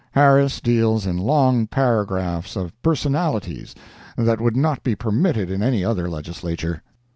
Harris deals in long paragraphs of personalities, that would not be permitted in any other Legislature.